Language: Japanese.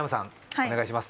お願いします